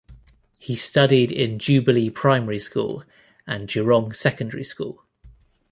He studied in Jubilee Primary School and Jurong Secondary School.